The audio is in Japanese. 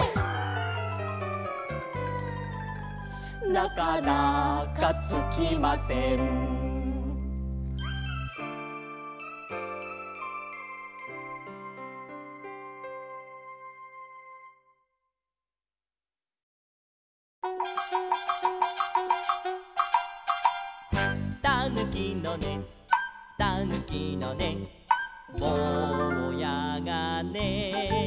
「なかなかつきません」「たぬきのねたぬきのねぼうやがね」